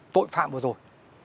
tội phạm vừa rồi